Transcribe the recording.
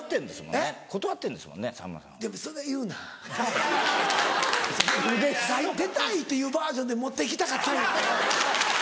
うれしそう。出たいっていうバージョンで持って行きたかったんや。